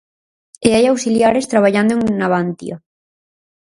E hai auxiliares traballando en Navantia.